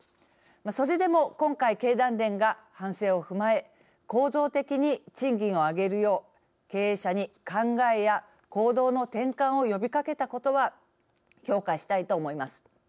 それでも今回、経団連が反省を踏まえ構造的に賃金を上げるよう経営者に考えや行動の転換を呼びかけたことは評価したいと思います。